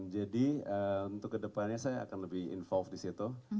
jadi untuk ke depannya saya akan lebih involved di situ